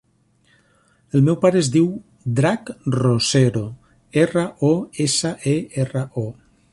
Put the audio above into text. El meu pare es diu Drac Rosero: erra, o, essa, e, erra, o.